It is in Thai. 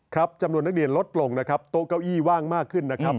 จำนวนนักเรียนลดลงนะครับโต๊ะเก้าอี้ว่างมากขึ้นนะครับ